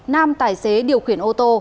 nam tài xế điều khiển ô tô